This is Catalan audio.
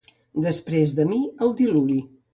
Després de mi el diluvi.